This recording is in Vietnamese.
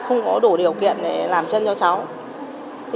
không có đủ điều kiện để làm chân cho cháu